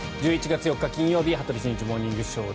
１１月４日、金曜日「羽鳥慎一モーニングショー」。